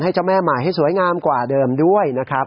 เจ้าแม่ใหม่ให้สวยงามกว่าเดิมด้วยนะครับ